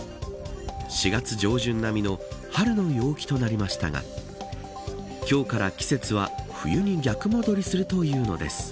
４月上旬並みの春の陽気となりましたが今日から季節は冬に逆戻りするというのです。